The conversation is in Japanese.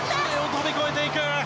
飛び越えていく！